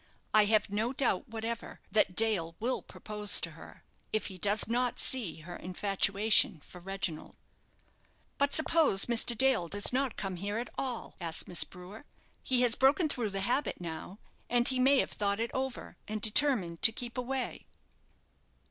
I have no doubt whatever that Dale will propose to her, if he does not see her infatuation for Reginald." "But suppose Mr. Dale does not come here at all?" asked Miss Brewer; "he has broken through the habit now, and he may have thought it over, and determined to keep away."